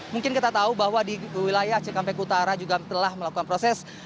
mungkin kita tahu bahwa di wilayah cikampek utara juga telah melakukan proses